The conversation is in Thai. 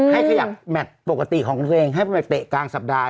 ให้ขยับแมตต์ปกติของตัวเองให้มันเตะกลางสัปดาห์